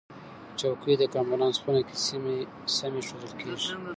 چوکۍ د کنفرانس خونه کې سمې ایښودل کېږي.